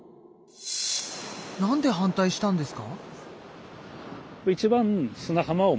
なんで反対したんですか？